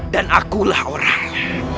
dan akulah orangnya